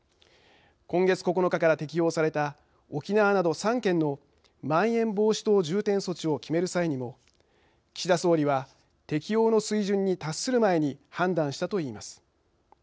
今月９日から適用された沖縄など３県のまん延防止等重点措置を決める際にも、岸田総理は適用の水準に達する前に判断したといいます。